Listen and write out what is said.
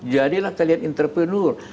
jadilah kalian entrepreneur